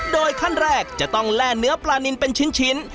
โดยขั้นแรกจะต้องแล่เนื้อปลานินเป็นชิ้น